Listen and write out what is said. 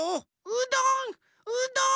うどんうどん！